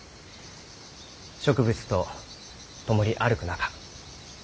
植物と共に歩く中